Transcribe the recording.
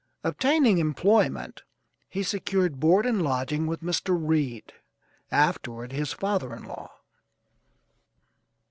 Obtaining employment, he secured board and lodging with Mr. Reed, afterward his father in law.